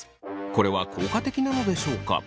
これは効果的なのでしょうか。